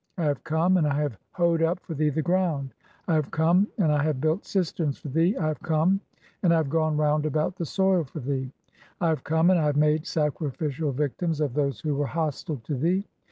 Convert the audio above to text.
(18) "I have come, and I have hoed up for thee the ground. (19) "I have come, and I have built cisterns for thee. (20) "I have come, and I have gone round about the soil "for thee. (21) "I have come, and I have made sacrificial victims of "those who were hostile to thee.